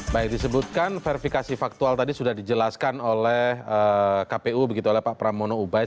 baik disebutkan verifikasi faktual tadi sudah dijelaskan oleh kpu begitu oleh pak pramono ubaid